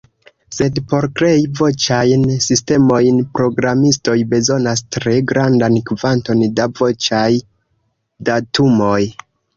Sed por krei voĉajn sistemojn, programistoj bezonas tre grandan kvanton da voĉaj datumoj.